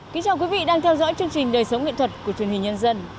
kính chào quý vị đang theo dõi chương trình đời sống nghệ thuật của truyền hình nhân dân